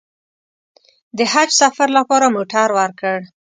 د حج سفر لپاره موټر ورکړ.